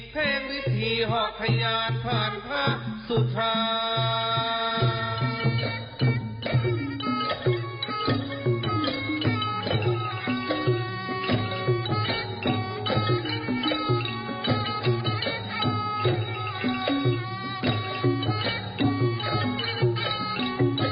เพลงฤทธิห่อขยานผ่านพระสุทธา